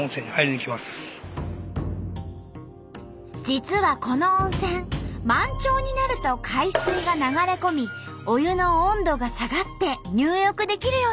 実はこの温泉満潮になると海水が流れ込みお湯の温度が下がって入浴できるようになるんです。